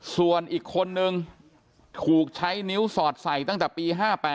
ส่วนอีกคนนึงถูกใช้นิ้วสอดใส่ตั้งแต่ปี๕๘